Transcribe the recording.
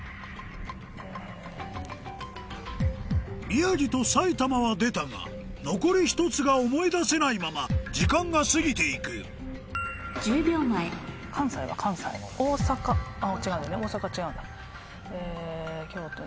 「みやぎ」と「さいたま」は出たが残り１つが思い出せないまま時間が過ぎて行く「きょうと」